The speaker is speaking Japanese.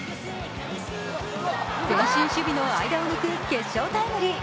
前進守備の間を抜く決勝タイムリー。